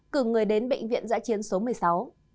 cường người đến bệnh viện giãi chiến số một mươi sáu